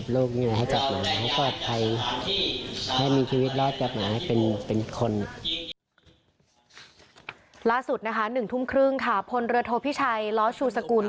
ล่าสุด๑ทุ่มครึ่งพลเรือโทษพิชัยล้อชูสกุล